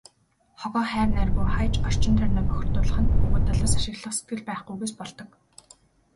Хогоо хайр найргүй хаяж, орчин тойрноо бохирдуулах нь нөгөө талаас ашиглах сэтгэл байхгүйгээс болдог.